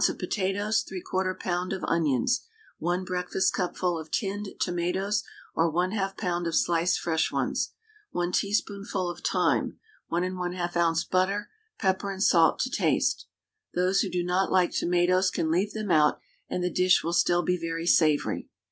of potatoes, 3/4 lb. of onions, 1 breakfastcupful of tinned tomatoes, or 1/2 lb. of sliced fresh ones, 1 teaspoonful of thyme, 1 1/2 oz. butter, pepper and salt to taste. Those who do not like tomatoes can leave them out, and the dish will still be very savoury.